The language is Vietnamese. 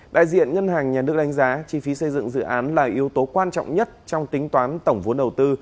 đại diện ngân hàng nhà nước đánh giá chi phí xây dựng dự án là yếu tố quan trọng nhất trong tính toán tổng vốn đầu tư